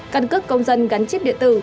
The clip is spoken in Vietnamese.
cân cướp công dân gắn chip điện tử